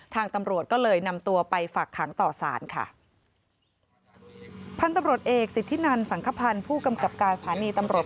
ทางตำรวจก็เลยนำตัวไปฝากขังต่อสารค่ะพันธุ์ตำรวจเอกสิทธินันสังขพันธ์ผู้กำกับการสถานีตำรวจ